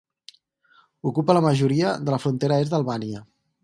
Ocupa la majoria de la frontera est d'Albània.